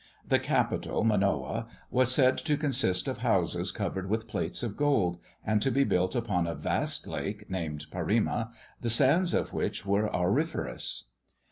The capital, Manoa, was said to consist of houses covered with plates of gold, and to be built upon a vast lake, named Parima, the sands of which were auriferous.